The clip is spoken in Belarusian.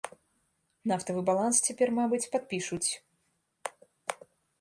Нафтавы баланс цяпер, мабыць, падпішуць.